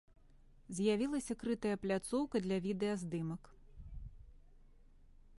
З'явілася крытая пляцоўка для відэаздымак.